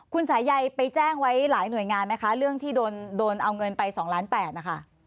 คุณสายใยไปแจ้งไว้หลายหน่วยงานไหมคะเรื่องที่โดนเอาเงินไป๒ล้าน๘นะคะ